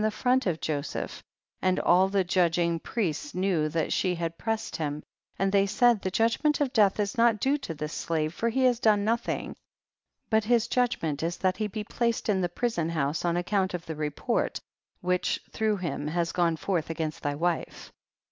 tear was in front of Joseph, and all the judging priests knew that she had pressed him, and they said, the judgment of death is not due to this slave for he has done nothing, but his judgment is, that he be placed in the prison house on account of the report, which through him has gone forth against thy wife.